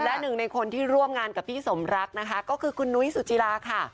และหนึ่งในคนที่ร่วมงานกับพี่สมรักนะคะก็คือคุณนุ้ยสุจิลาค่ะ